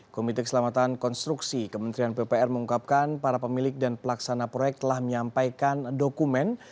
komite keselamatan konstruksi kementerian pupr mengungkapkan para pemilik dan pelaksana proyek telah menyampaikan dokumen